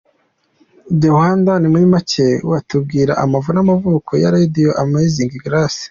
The Rwandan: Muri Make watubwira amavu n’amavuko ya Radio Amazing Grace?